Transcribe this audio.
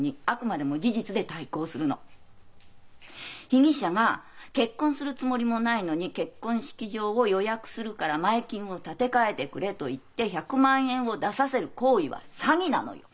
被疑者が結婚するつもりもないのに「結婚式場を予約するから前金を立て替えてくれ」と言って１００万円を出させる行為は詐欺なのよ。